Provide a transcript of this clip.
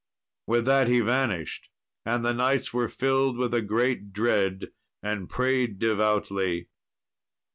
With that he vanished, and the knights were filled with a great dread and prayed devoutly.